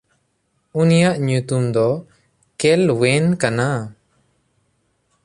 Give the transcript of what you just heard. ᱩᱱᱤᱭᱟᱜ ᱧᱩᱛᱩᱢ ᱫᱚ ᱠᱮᱞᱶᱮᱱ ᱠᱟᱱᱟ᱾